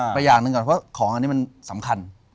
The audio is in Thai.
อย่างหนึ่งก่อนเพราะของอันนี้มันสำคัญ